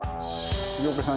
重岡さん